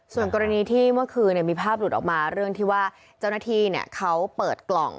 ส่วนกรณีที่เมื่อคืนมีภาพหลุดออกมาเรื่องที่ว่าเจ้าหน้าที่เขาเปิดกล่อง